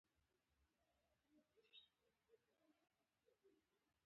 د مینې خبرې پټه خوله اورېږي